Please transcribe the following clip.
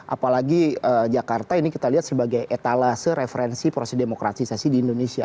apalagi jakarta ini kita lihat sebagai etalase referensi proses demokratisasi di indonesia